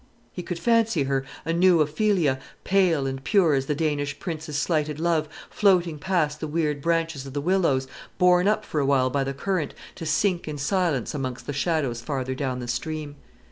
He could fancy her, a new Ophelia, pale and pure as the Danish prince's slighted love, floating past the weird branches of the willows, borne up for a while by the current, to sink in silence amongst the shadows farther down the stream.